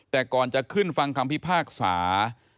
แต่ก่อนจะขึ้นฟังคำพิพากษา